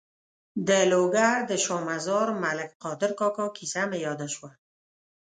د لوګر د شا مزار ملک قادر کاکا کیسه مې یاده شوه.